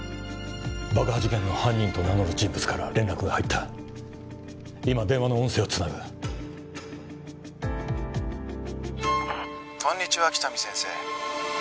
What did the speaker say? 爆破事件の犯人と名乗る人物から連絡が入った今電話の音声をつなぐこんにちは喜多見先生